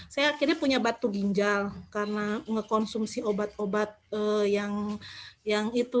saya akhirnya punya batu ginjal karena mengkonsumsi obat obat yang itu